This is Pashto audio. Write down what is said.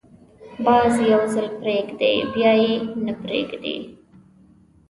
باز یو ځل پرېږدي، بیا یې نه پریږدي